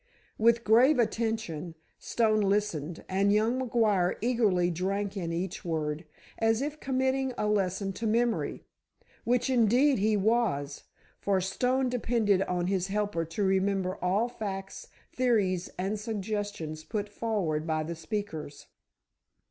With grave attention, Stone listened, and young McGuire eagerly drank in each word, as if committing a lesson to memory. Which, indeed, he was, for Stone depended on his helper to remember all facts, theories and suggestions put forward by the speakers.